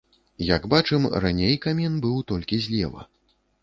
Як бачым, раней камін быў толькі злева.